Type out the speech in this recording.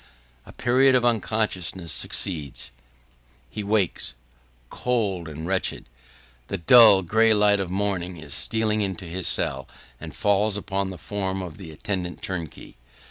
A period of unconsciousness succeeds. He wakes, cold and wretched. The dull, gray light of morning is stealing into the cell, and falls upon the form of the attendant turnkey.